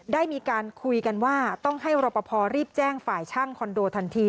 ได้มีการคุยกันว่าต้องให้รอปภรีบแจ้งฝ่ายช่างคอนโดทันที